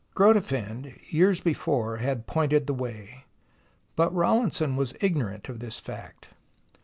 Grotefend years before had pointed the way, but Rawlinson was ignorant of this fact.